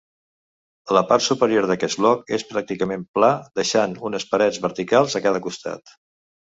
La part superior d'aquest bloc és pràcticament pla deixant unes parets verticals a cada costat.